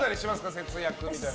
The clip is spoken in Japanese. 節約みたいなの。